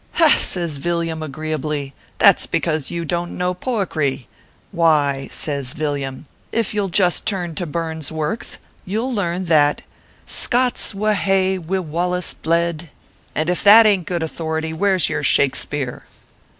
" Ha !" says Villiam, agreeably, " that s because you don t know poickry. Why," says Villiam, "if you ll just turn to Burns works, you ll learn that " Scot s wha ha e wi Wallace bled, and if that ain t good authority, where s your Shaks peare